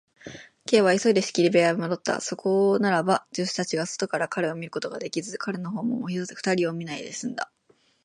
Ｋ は急いで仕切り部屋へもどった。そこならば、助手たちが外から彼を見ることができず、彼のほうも二人を見ないですんだ。